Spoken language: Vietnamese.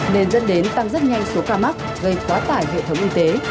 nền dân đến tăng rất nhanh số ca mắc gây quá tải hệ thống y tế